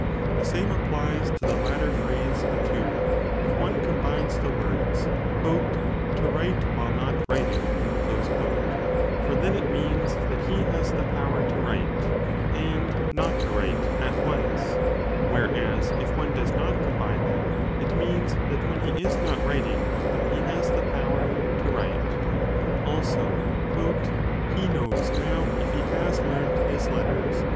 1 The same applies to the latter phrase, too, if one combines the words to write while not writing : for then it means that he has the power to write and not to write at once ; whereas if one does not combine them, it means that when he is not writ ing he has the power to write. Also, l He knows now if 3 he has learnt his letters.